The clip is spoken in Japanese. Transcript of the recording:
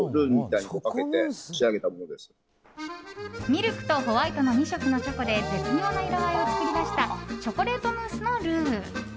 ミルクとホワイトの２色のチョコで絶妙な色合いを作り出したチョコレートムースのルー。